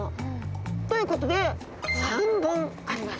ということで３本あります。